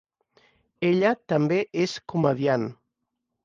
Ella també és comediant.